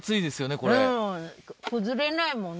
これうん崩れないもんね